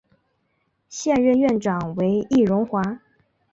现任院长为易荣华。